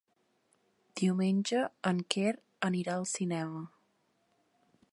Diumenge en Quer anirà al cinema.